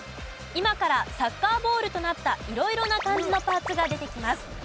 今からサッカーボールとなった色々な漢字のパーツが出てきます。